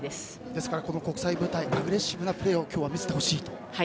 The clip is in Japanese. ですから、この国際舞台でアグレッシブなプレーを見せてほしいと。